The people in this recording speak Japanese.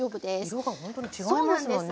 色がほんとに違いますもんね。